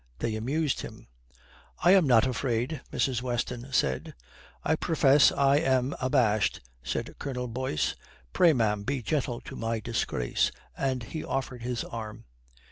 They amused him. "I am not afraid," Mrs. Weston said. "I profess I am abashed," said Colonel Boyce. "Pray, ma'am, be gentle to my disgrace," and he offered his arm.